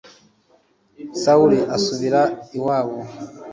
sawuli asubira iwabo